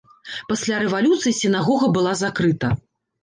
Пасля рэвалюцыі сінагога была закрыта.